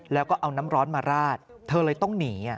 แล้วก็เอาน้ำร้อนมาราดเธอเลยต้องหนี